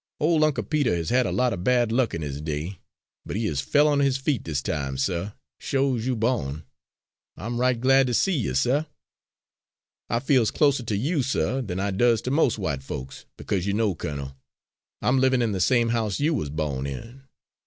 Ole Uncle Peter has had a lot er bad luck in his day, but he has fell on his feet dis time, suh, sho's you bawn. I'm right glad to see you, suh. I feels closer to you, suh, than I does to mos' white folks, because you know, colonel, I'm livin' in the same house you wuz bawn in."